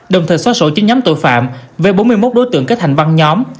đồng thời xóa sổ chính nhóm tội phạm về bốn mươi một đối tượng kết hành băng nhóm